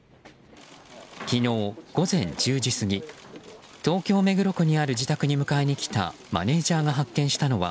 昨日午前１０時過ぎ東京・目黒区にある自宅に迎えに来たマネジャーが発見したのは